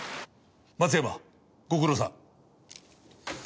松山ご苦労さん。